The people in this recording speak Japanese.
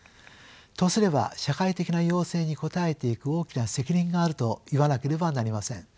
とすれば社会的な要請に応えていく大きな責任があるといわなければなりません。